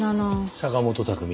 坂元拓海。